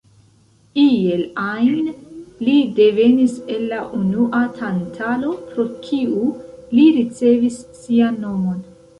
Iel ajn, li devenis el la unua Tantalo, pro kiu li ricevis sian nomon.